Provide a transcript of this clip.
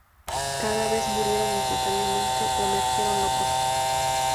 Cada vez, murieron instantáneamente o emergieron locos.